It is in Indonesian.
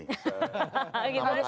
harus rela ya